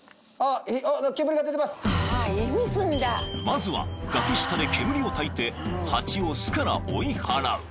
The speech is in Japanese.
［まずは崖下で煙をたいてハチを巣から追い払う］